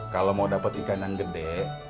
kalau mau dapat ikan yang gede